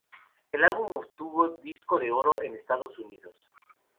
El álbum obtuvo Disco de Oro en Estados Unidos.